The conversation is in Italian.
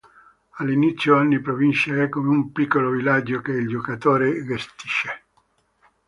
All'inizio ogni provincia è come un piccolo villaggio che il giocatore gestisce.